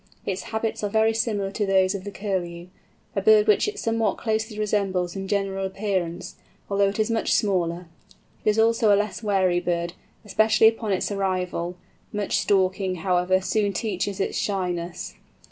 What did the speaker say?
Its habits are very similar to those of the Curlew—a bird which it somewhat closely resembles in general appearance, although it is much smaller. It is also a less wary bird, especially upon its arrival; much stalking, however, soon teaches it shyness.